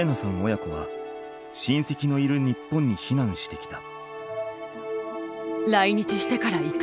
親子はしんせきのいる日本に避難してきた。